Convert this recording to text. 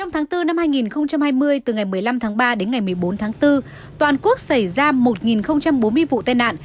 một mươi tháng bốn năm hai nghìn hai mươi từ ngày một mươi năm tháng ba đến ngày một mươi bốn tháng bốn toàn quốc xảy ra một bốn mươi vụ tai nạn